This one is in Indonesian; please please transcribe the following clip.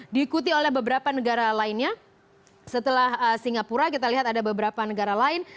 diikuti oleh beberapa negara lainnya setelah singapura kita lihat ada beberapa negara lain